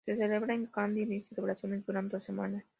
Se celebra en Kandy y las celebraciones duran dos semanas.